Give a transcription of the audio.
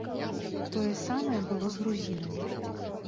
Тое самае было з грузінамі.